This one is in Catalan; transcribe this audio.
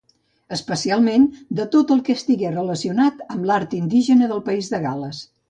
Especialment de tot el que estigués relacionat amb l'art indígena del País de Gal·les.